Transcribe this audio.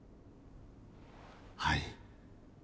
はい。